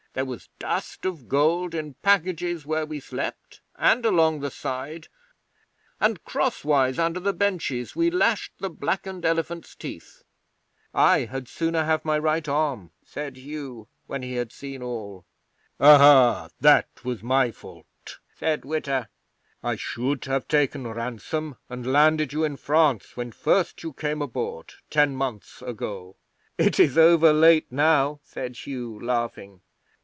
There was dust of gold in packages where we slept and along the side, and crosswise under the benches we lashed the blackened elephants' teeth. '"I had sooner have my right arm," said Hugh, when he had seen all. '"Ahai! That was my fault," said Witta. "I should have taken ransom and landed you in France when first you came aboard, ten months ago." '"It is over late now," said Hugh, laughing.